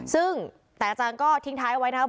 ซึ่งแต่อาจารย์ก็ทิ้งท้ายเอาไว้นะครับ